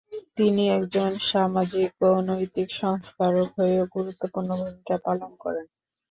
তিনি একজন সামাজিক ও নৈতিক সংস্কারক হয়ে গুরুত্বপূর্ণ ভূমিকা পালন করেন।